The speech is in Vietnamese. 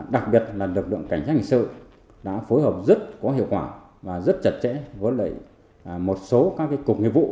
đặc biệt là lực lượng cảnh sát hình sự đã phối hợp rất có hiệu quả và rất chặt chẽ với một số các cục nghiệp vụ